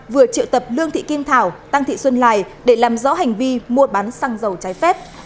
vừa triệu tập lương thị kim thảo tăng thị xuân lài để làm rõ hành vi mua bán xăng dầu trái phép